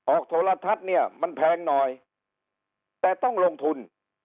โทรทัศน์เนี่ยมันแพงหน่อยแต่ต้องลงทุน